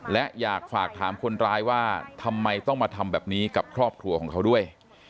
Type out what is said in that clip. และอยากฝากถามคนร้ายว่าทำไมต้องมาทำแบบนี้กับครอบครัวของเขาด้วย